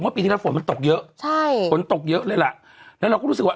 ปีที่แล้วฝนมันตกเยอะใช่ฝนตกเยอะเลยล่ะแล้วเราก็รู้สึกว่า